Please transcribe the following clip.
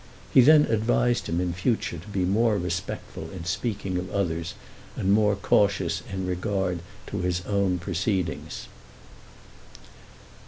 He then advised him in future to be more respectful in speaking of others, and more cautious in regard to his own proceedings.